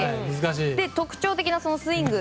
その特徴的なスイング。